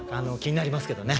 なりますけどね。